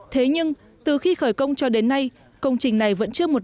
thế nhưng từ khi khởi công cho đến nay công trình này vẫn chưa một